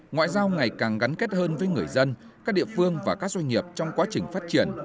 ngoại giao ngày càng gắn kết hơn với người dân các địa phương và các doanh nghiệp trong quá trình phát triển